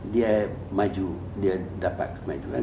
dia dapat kemajuan